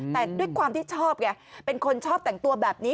แต่ด้วยความที่ชอบไงเป็นคนชอบแต่งตัวแบบนี้